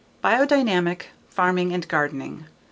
_Biodynamic Farming and Gardening.